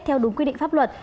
theo đúng quy định pháp luật